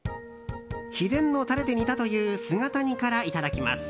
秘伝のタレで煮たという姿煮からいただきます。